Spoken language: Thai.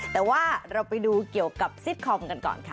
แต่ว่าเราไปดูเกี่ยวกับซิตคอมกันก่อนค่ะ